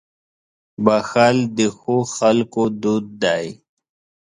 • بښل د ښو خلکو دود دی.